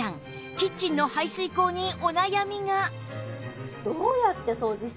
キッチンの排水口にお悩みが